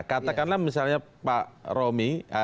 katakanlah misalnya pak romi